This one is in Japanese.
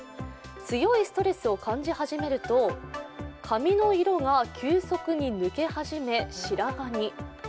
強いストレスを感じ始めると、髪の色が急速に抜け始め白髪に。